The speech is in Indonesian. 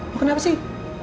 lo kenapa sih